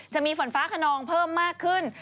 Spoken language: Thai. จะมีฝนฟ้าขนองเพิ่มมากขึ้น